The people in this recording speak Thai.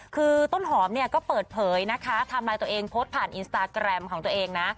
คือต้นหอมเนี่ยก็เปิดเผยนะคะไทม์ไลน์ตัวเองโพสต์ผ่านอินสตาแกรมของตัวเองนะ